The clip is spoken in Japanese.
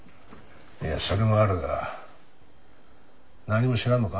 いやそれもあるが何も知らんのか？